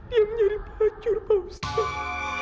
dia menjadi pelacur pak ustaz